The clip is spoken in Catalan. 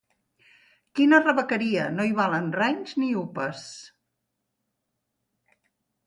Quina rebequeria: no hi valen renys ni upes.